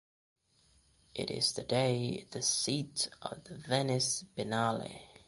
It is today the seat of the Venice Biennale.